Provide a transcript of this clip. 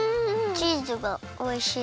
チーズがおいしい。